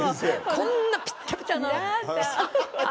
こんなピッタピタの。